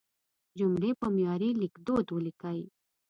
جملې په معیاري لیکدود ولیکئ.